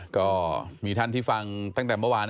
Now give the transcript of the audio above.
ก็มีท่านที่ฟังตั้งแต่เมื่อวาน